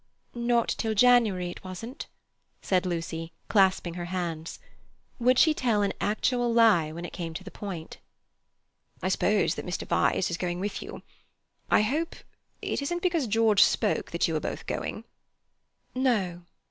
"Not till January, it wasn't," said Lucy, clasping her hands. Would she tell an actual lie when it came to the point? "I suppose that Mr. Vyse is going with you. I hope—it isn't because George spoke that you are both going?" "No."